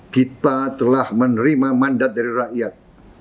kita telah menerima mandat dari rakyat